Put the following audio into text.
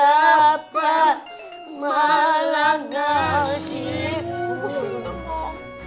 apa malah gak jirik